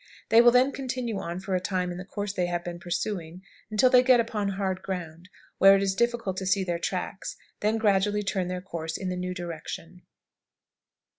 They will then continue on for a time in the course they have been pursuing, until they get upon hard ground, where it is difficult to see their tracks, then gradually turn their course in the new direction.